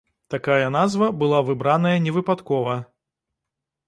Такая назва была выбраная невыпадкова.